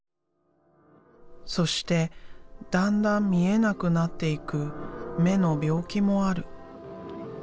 そしてだんだん見えなくなっていく目の病気もある」。